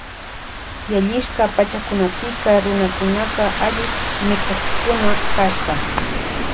Yalisha pachakunapika runakunaka alli mikukkuna kashka.